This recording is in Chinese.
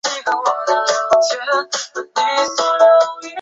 英国二千坚尼锦标是一场只限三岁雄马参赛的平地国际一级赛事。